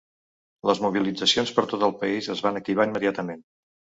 Les mobilitzacions per tot el país es van activar immediatament.